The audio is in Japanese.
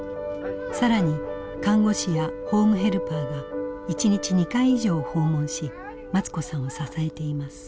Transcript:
更に看護師やホームヘルパーが１日２回以上訪問しマツ子さんを支えています。